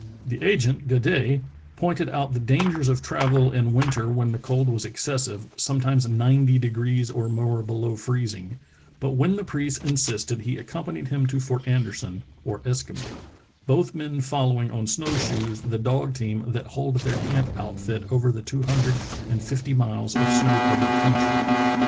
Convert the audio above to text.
The agent, Gaudet, pointed out the dangers of travel in winter when the cold was excessive, sometimes ninety degrees or more below freezing, but when the priest insisted he accompanied him to Fort Anderson (or Eskimo) both men following on snow shoes the dog team that hauled their camp outfit over the two hun dred and fifty miles of snow covered country.